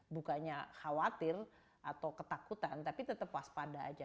bukannya khawatir atau ketakutan tapi tetap waspada aja